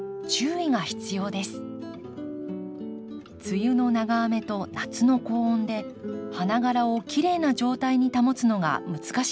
梅雨の長雨と夏の高温で花がらをきれいな状態に保つのが難しいのです。